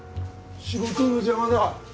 仕事の邪魔だわ。